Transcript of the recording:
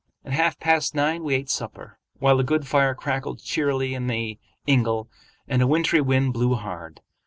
At half past nine we ate supper, while a good fire crackled cheerily in the ingle and a wintry wind blew hard.